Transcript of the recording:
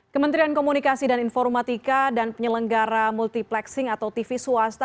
kementerian komunikasi dan informatika dan penyelenggara multiplexing atau tv swasta